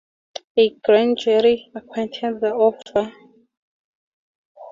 A grand jury acquitted the officer.